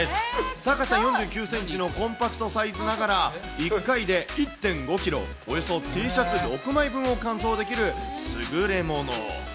高さ４９センチのコンパクトサイズながら、１回で１．５キロ、およそＴシャツ６枚分を乾燥できる優れもの。